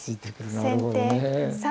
なるほどね。